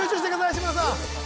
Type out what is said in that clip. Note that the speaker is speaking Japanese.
志村さん